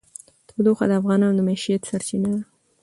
تودوخه د افغانانو د معیشت سرچینه ده.